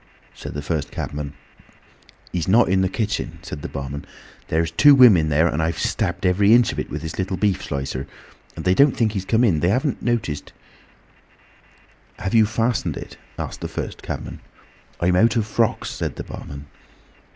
said the first cabman. "He's not in the kitchen," said the barman. "There's two women there, and I've stabbed every inch of it with this little beef slicer. And they don't think he's come in. They haven't noticed—" "Have you fastened it?" asked the first cabman. "I'm out of frocks," said the barman.